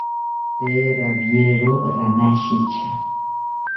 Tee rawiero ranashitya